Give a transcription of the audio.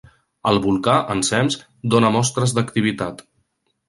El volcà, ensems, dóna mostres d'activitat.